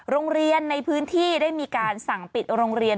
โรงเรียนในพื้นที่ได้มีการสั่งปิดโรงเรียน